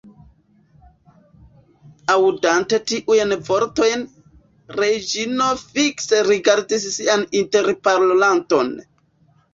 Aŭdante tiujn vortojn, Reĝino fikse rigardis sian interparolanton.